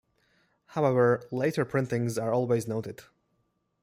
However, later printings are always noted.